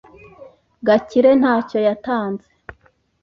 Gakire ntacyo yatanze.